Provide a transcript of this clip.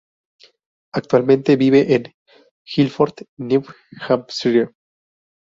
Actualmente vive en Gilford, New Hampshire.